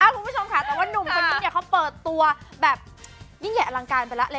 คุณผู้ชมค่ะแต่ว่านุ่มคนนี้เขาเปิดตัวแบบยิ่งใหญ่อลังการไปแล้วเลย